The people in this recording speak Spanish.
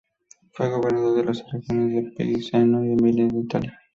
Fue gobernador de las regiones de Piceno y Emilia, en Italia.